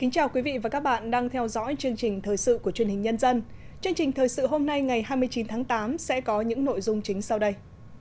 chương trình thời sự hôm nay ngày hai mươi chín tháng tám sẽ có những nội dung chính sau đây